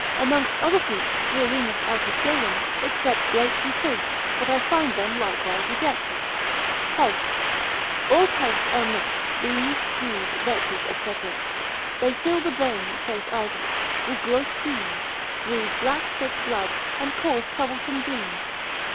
Amongst other fruits, Bruerinus, out of Galen, excepts grapes and figs, but I find them likewise rejected. Pulse.] All pulse are naught, beans, peas, vetches, &c., they fill the brain (saith Isaac) with gross fumes, breed black thick blood, and cause troublesome dreams.